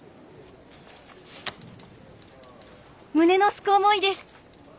「胸のすく思いです」。